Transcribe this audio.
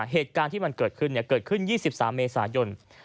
เหตุการณ์ที่มันเกิดขึ้นเนี่ยเกิดขึ้นยี่สิบสามเมษายน